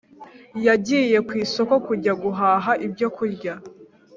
Yagiye kwisoko kujya guhaha ibyokurya